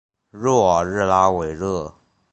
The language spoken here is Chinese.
诺尔日拉维勒。